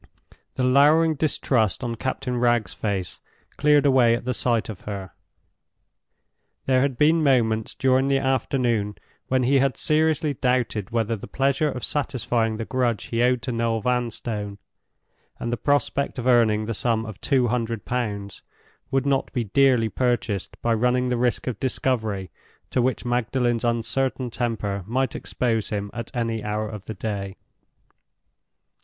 The lowering distrust on Captain Wragge's face cleared away at the sight of her. There had been moments during the afternoon when he had seriously doubted whether the pleasure of satisfying the grudge he owed to Noel Vanstone, and the prospect of earning the sum of two hundred pounds, would not be dearly purchased by running the risk of discovery to which Magdalen's uncertain temper might expose him at any hour of the day.